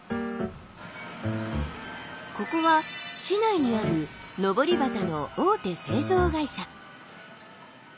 ここは市内にあるのぼり旗の大手製造会社。